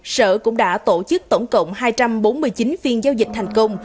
sở cũng đã tổ chức tổng cộng hai trăm bốn mươi chín phiên giao dịch thành công